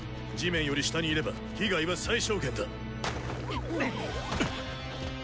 地面より下にいれば被害は最小限だ！